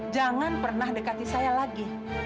jangan pernah dekati saya lagi